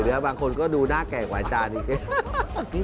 เดี๋ยวบางคนก็ดูหน้าแก่กว่าอาจารย์อีก